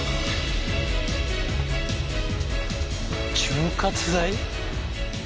潤滑剤？